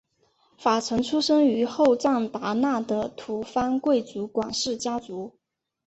法成出生于后藏达那的吐蕃贵族管氏家族。